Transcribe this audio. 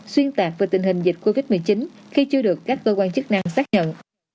xuyên tạc về tình hình dịch covid một mươi chín khi chưa được các cơ quan chức năng xác nhận